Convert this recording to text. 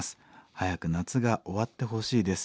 早く夏が終わってほしいです。